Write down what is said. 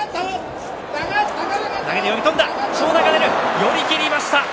寄り切りました。